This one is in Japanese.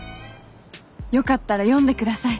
よかったら読んで下さい。